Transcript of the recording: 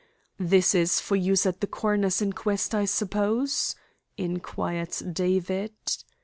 "This is for use at the coroner's inquest, I suppose?" inquired David.